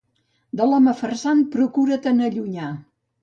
De l'home farsant, procura-te'n allunyar.